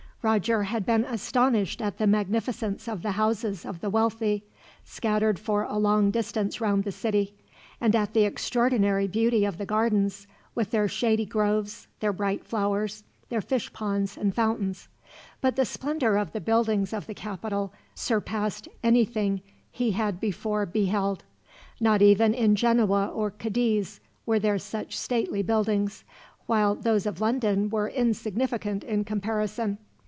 Roger had been astonished at the magnificence of the houses of the wealthy, scattered for a long distance round the city, and at the extraordinary beauty of the gardens with their shady groves, their bright flowers, their fish ponds and fountains; but the splendor of the buildings of the capital surpassed anything he had before beheld. Not even in Genoa or Cadiz were there such stately buildings, while those of London were insignificant in comparison.